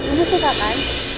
ibu suka kan